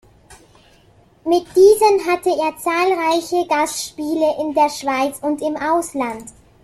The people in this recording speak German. Mit diesem hatte er zahlreiche Gastspiele in der Schweiz und im Ausland.